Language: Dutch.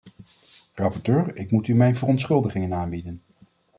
Rapporteur, ik moet u mijn verontschuldigingen aanbieden.